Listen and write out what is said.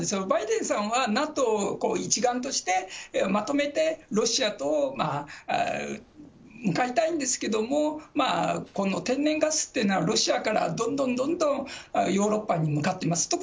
バイデンさんはＮＡＴＯを一丸としてまとめてロシアと向かいたいんですけれども、この天然ガスっていうのは、ロシアからどんどんどんどん、ヨーロッパに向かってます。